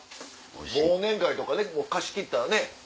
忘年会とか貸し切ったらね。